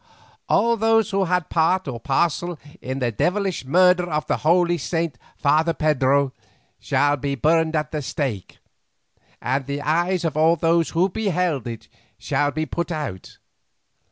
All those who had part or parcel in the devilish murder of that holy saint Father Pedro, shall be burned at the stake, and the eyes of all those who beheld it shall be put out.